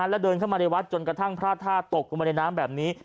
แล้วเดินเข้ามาในวัดจนกระทั่งพระท่าตกลงมาในน้ำแบบนี้